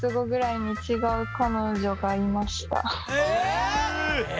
え！